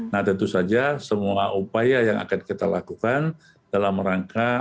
nah tentu saja semua upaya yang akan kita lakukan dalam rangka